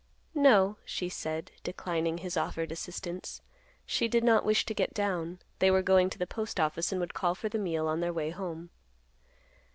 "No," she said, declining his offered assistance; she did not wish to get down; they were going to the postoffice and would call for the meal on their way home.